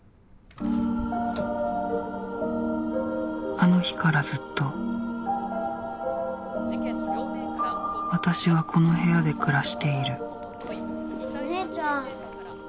あの日からずっと私はこの部屋で暮らしているお姉ちゃん。